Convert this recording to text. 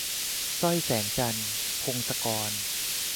สร้อยแสงจันทร์ - พงศกร